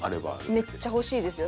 めっちゃ欲しいですよ。